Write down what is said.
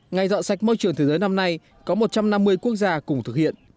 ngày dọn sạch môi trường thế giới năm nay có một trăm năm mươi quốc gia cùng thực hiện